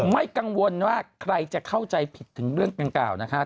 ไม่กังวลว่าใครจะเข้าใจผิดถึงเรื่องดังกล่าวนะคะ